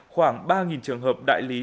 khoảng ba trường hợp đại lý